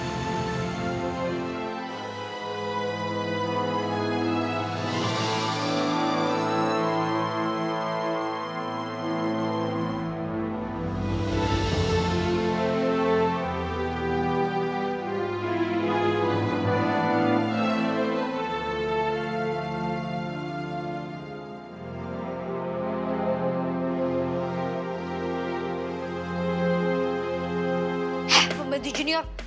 hei pembantu junior